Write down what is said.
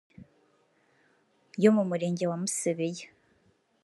yo mu Murenge wa Musebeya